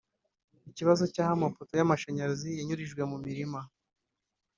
Ikibazo cy’aho amapoto y’amashanyarazi yanyurijwe mu mirima